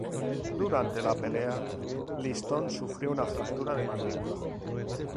Durante la pelea Liston sufrió una fractura de mandíbula.